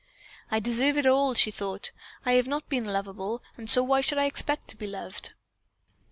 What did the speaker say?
"I deserve it all," she thought. "I have not been lovable, and so why should I expect to be loved?"